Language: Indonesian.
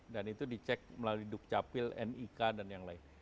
dan itu dicek melalui duk capil nik dan yang lain